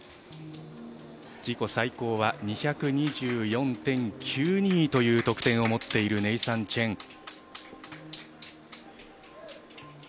自己最高は２２４．９２という得点を持っているネイサン・チェン。